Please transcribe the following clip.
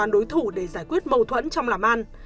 khanh còn đối thủ để giải quyết mâu thuẫn trong làm ăn